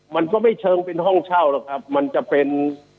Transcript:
มันก็ไม่เชิงเป็นห้องเช่าหรอกครับมันจะเป็น